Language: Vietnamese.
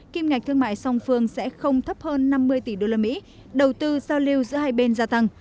kim ngạch thương mại song phương sẽ không thấp hơn năm mươi tỷ usd đầu tư giao lưu giữa hai bên gia tăng